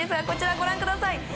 こちら、ご覧ください。